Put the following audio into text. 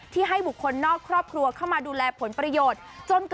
ให้บุคคลนอกครอบครัวเข้ามาดูแลผลประโยชน์